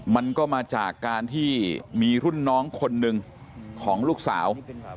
มันก็มาจากการที่มีรุ่นน้องคนหนึ่งของลูกสาว